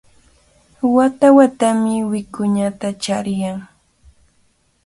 Wata-watami wikuñata chariyan.